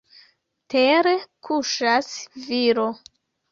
Tere kuŝas viro.